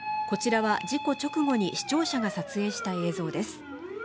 こちらは事故直後に視聴者が撮影した映像です。